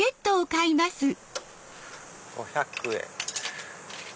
５００円。